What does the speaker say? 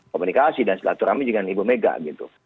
komunikasi dan selatur rame dengan ibu mega gitu